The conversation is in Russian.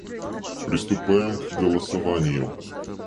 Приступаем к голосованию.